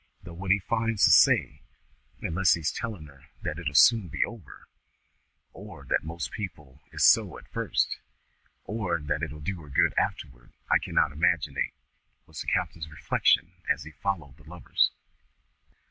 "Though what he finds to say, unless he's telling her that 't'll soon be over, or that most people is so at first, or that it'll do her good afterward, I cannot imaginate!" was the captain's reflection as he followed the lovers.